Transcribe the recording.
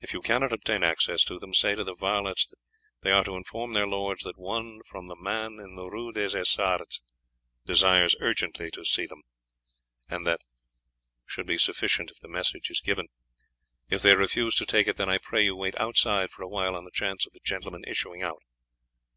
If you cannot obtain access to them, say to the varlets that they are to inform their lords that one from the man in the Rue des Essarts desires urgently to see them, and that should be sufficient if the message is given. If they refuse to take it, then I pray you wait outside for a while on the chance of the gentlemen issuing out.